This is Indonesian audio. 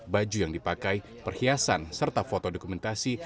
baju yang dipakai perhiasan serta foto dokumentasi